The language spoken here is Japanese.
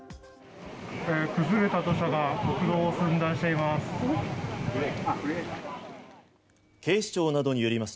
崩れた土砂が国道を寸断しています。